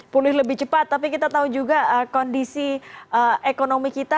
pulih lebih cepat tapi kita tahu juga kondisi ekonomi kita